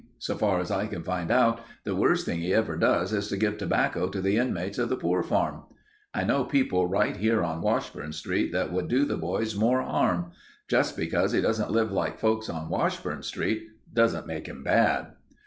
So far as I can find out, the worst thing he ever does is to give tobacco to the inmates of the Poor Farm. I know people right here on Washburn Street that would do the boys more harm. Just because he doesn't live like folks on Washburn Street doesn't make him bad."